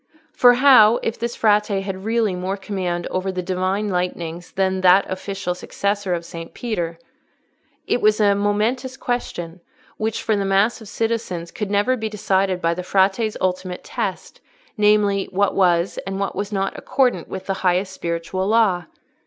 For how if this Frate had really more command over the Divine lightnings than that official successor of Saint Peter? It was a momentous question, which for the mass of citizens could never be decided by the Frate's ultimate test, namely, what was and what was not accordant with the highest spiritual law.